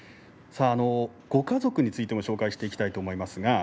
ご家族についてご紹介していきたいと思います。